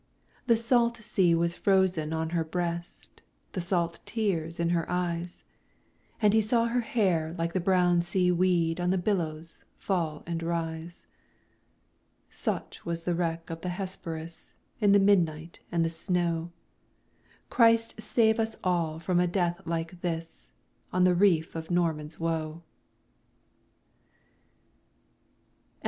The salt sea was frozen on her breast, The salt tears in her eyes; And he saw her hair like the brown sea weed On the billows fall and rise. Such was the wreck of the Hesperus, In the midnight and the snow! Christ save us all from a death like this, On the reef of Norman's Woe! H. W.